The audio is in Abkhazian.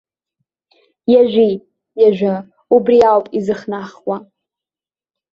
Иажәит, иажәы, убри ауп изыхнахуа.